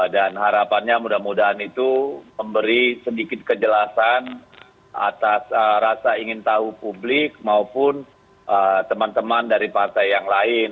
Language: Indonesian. dan harapannya mudah mudahan itu memberi sedikit kejelasan atas rasa ingin tahu publik maupun teman teman dari partai yang lain